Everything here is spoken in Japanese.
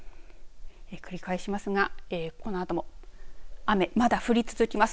繰り返しますが、このあとも雨、まだ降り続きます。